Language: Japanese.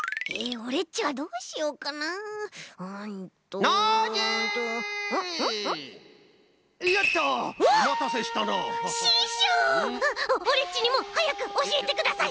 オレっちにもはやくおしえてください。